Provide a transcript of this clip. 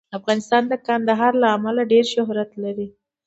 افغانستان د کندهار له امله ډېر شهرت لري.